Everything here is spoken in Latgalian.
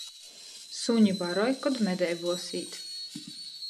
Suni baroj, kod medeibuos īt.